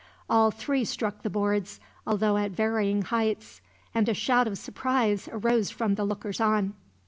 All three struck the boards, although at varying heights; and a shout of surprise arose from the lookers on.